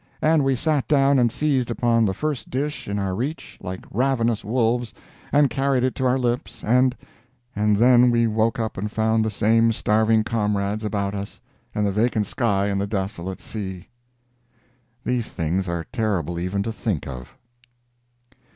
And we sat down and seized upon the first dish in our reach, like ravenous wolves, and carried it to our lips, and—and then we woke up and found the same starving comrades about us, and the vacant sky and the desolate sea! These things are terrible even to think of.